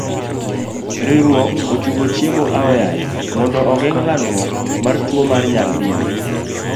Riwruok ochungo chiemo aoyaye mondo ogeng' landruok mar tuo mar nyal diema.